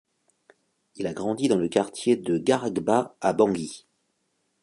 Il a grandi dans le quartier de Garagba à Bangui.